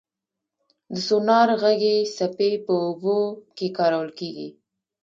د سونار غږي څپې په اوبو کې کارول کېږي.